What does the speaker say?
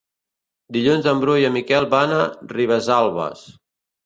Dilluns en Bru i en Miquel van a Ribesalbes.